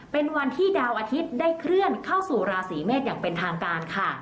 เป็นวันที่ดาวอาทิตย์ได้เคลื่อนเข้าสู่ราศีเมษอย่างเป็นทางการค่ะ